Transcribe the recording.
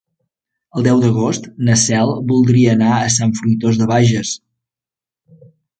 El deu d'agost na Cel voldria anar a Sant Fruitós de Bages.